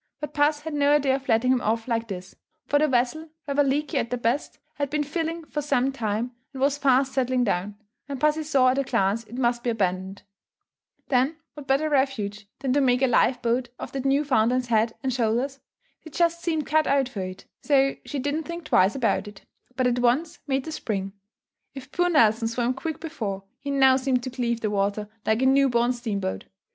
But puss had no idea of letting him off like this; for the vessel, rather leaky at the best, had been filling for some time and was fast settling down; and pussy saw at a glance it must be abandoned. Then what better refuge, than to make a life boat of that Newfoundland's head and shoulders? They just seemed cut out for it, so she didn't think twice about it, but at once made the spring. If poor Nelson swam quick before, he now seemed to cleave the water like a new born steam boat.